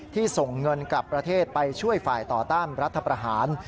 ส่งเงินกลับประเทศไปช่วยฝ่ายต่อต้านรัฐประหาร